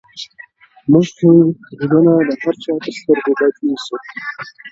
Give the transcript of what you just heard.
موږ خو گلونه د هر چا تر ســتـرگو بد ايـسـو،